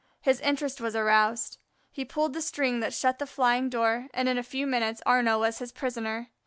His interest was aroused; he pulled the string that shut the flying door, and in a few minutes Arnaux was his prisoner.